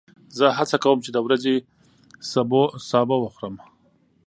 زه هڅه کوم چې د ورځې سبو وخورم.